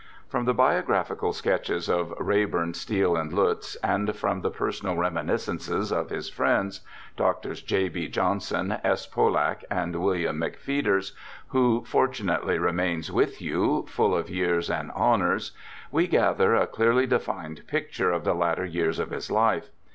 From the biographical sketches of Reyburn, Steele, and Lutz, and from the personal reminiscences of his friends, Drs. J. B. Johnson, S. Pollak, and Wm. McPheeters, who fortunately remains with you, full of years and honours, we gather a clearly defined picture of the latter years of his life.